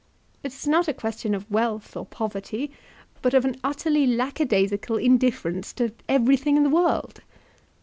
"It is not a question of wealth or poverty, but of an utterly lack a daisical indifference to everything in the world."